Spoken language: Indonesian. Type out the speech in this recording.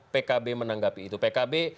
pkb menanggapi itu pkb